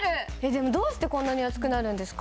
でもどうしてこんなに熱くなるんですか？